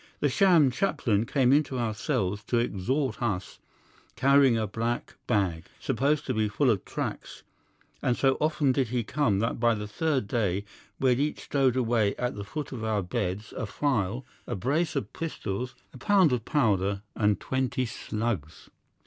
The sham chaplain came into our cells to exhort us, carrying a black bag, supposed to be full of tracts, and so often did he come that by the third day we had each stowed away at the foot of our beds a file, a brace of pistols, a pound of powder, and twenty slugs.